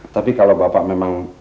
tapi kalau bapak memang